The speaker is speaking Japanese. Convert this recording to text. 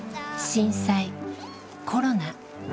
震災コロナ。